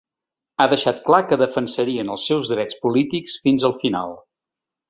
Ha deixat clar que defensarien els seus drets polítics fins al final.